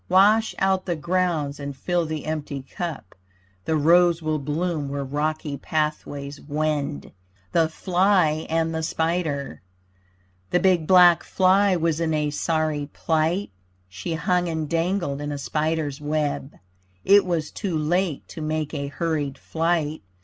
Wash out the grounds and fill the empty cup. The rose will bloom where rocky pathways wend. THE FLY AND THE SPIDER The big black fly was in a sorry plight; She hung and dangled in a spider's web. It was too late to make a hurried flight.